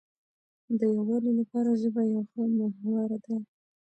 د یووالي لپاره ژبه یو ښه محور دی.